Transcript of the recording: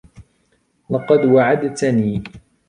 لقد وعدتني.